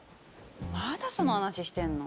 まだその話してんの？